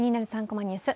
３コマニュース」